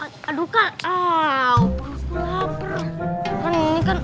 hah udah kan